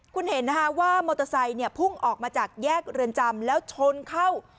คุณเห็นนะคะว่ามอเตอร์ไซค์พุ่งออกมาจากแยกเรือนจำแล้วชนเข้า